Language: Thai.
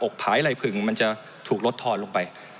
ผายไหล่ผึ่งมันจะถูกลดทอนลงไป